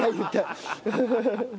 ハハハハ！